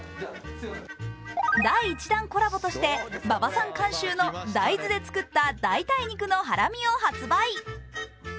第１弾コラボとして馬場さん監修の大豆を使った代替肉のハラミを発売。